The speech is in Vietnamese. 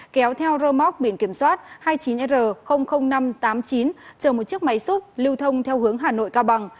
kéo theo rơ móc biển kiểm soát hai mươi chín r năm trăm tám mươi chín chờ một chiếc máy xúc lưu thông theo hướng hà nội cao bằng